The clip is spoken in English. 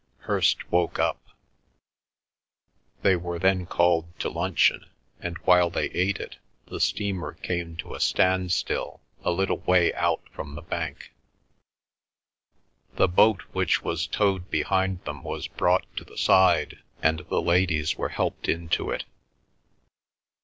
Hirst woke up; they were then called to luncheon, and while they ate it, the steamer came to a standstill a little way out from the bank. The boat which was towed behind them was brought to the side, and the ladies were helped into it.